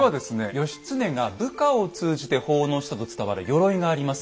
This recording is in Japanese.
義経が部下を通じて奉納したと伝わる鎧があります。